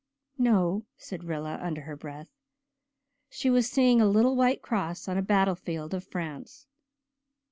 "No," said Rilla, under her breath. She was seeing a little white cross on a battlefield of France.